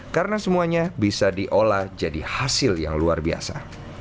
karena semuanya bisa diolah jadi hasil yang luar biasa